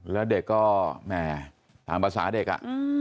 แล้วเด็กก็แหมตามภาษาเด็กอ่ะ